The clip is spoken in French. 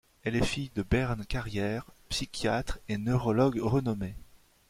Elle est fille de Bern Carrière, psychiatre et neurologue renommé.